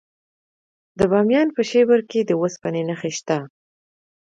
د بامیان په شیبر کې د وسپنې نښې شته.